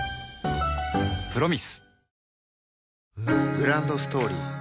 グランドストーリー